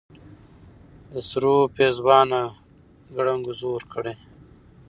د سرو پېزوانه ګړنګو زوړ کړې